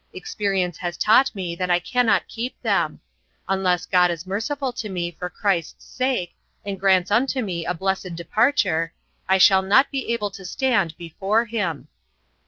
Experience has taught me that I cannot keep them. Unless God is merciful to me for Christ's sake and grants unto me a blessed departure, I shall not be able to stand before Him."